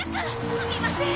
すみません！